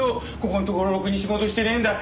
ここんところろくに仕事してねえんだ。